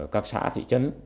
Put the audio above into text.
các xã thị trấn